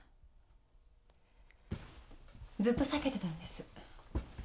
ずっと避けてたんです。